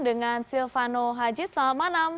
dengan silvano hajit salmanam